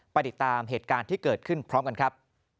ติดตามเหตุการณ์ที่เกิดขึ้นพร้อมกันครับ